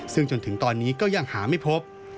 ซึ่งจนถึงตอนนี้ก็ยังหาไม่พบ